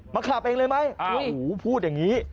มาขับเองเลยมั้ยพูดอย่างนี้